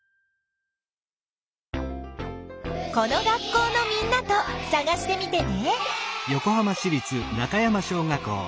この学校のみんなとさがしてみてね。